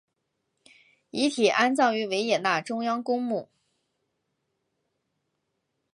遗体安葬于维也纳中央公墓。